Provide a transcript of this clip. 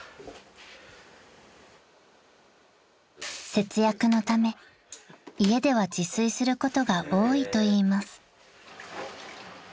［節約のため家では自炊することが多いといいます］